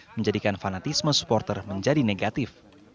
menjadikan fanatisme supporter menjadi negatif